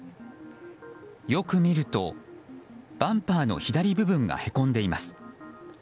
よく見ると、バンパーの左部分がへこんでいます。